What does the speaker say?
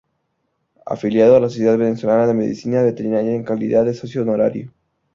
Afiliado a la Sociedad Venezolana de Medicina Veterinaria en calidad de Socio Honorario.